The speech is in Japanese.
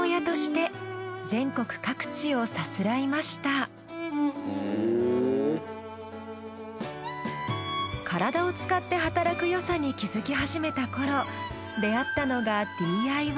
その後は体を使って働くよさに気付きはじめた頃出会ったのがＤＩＹ。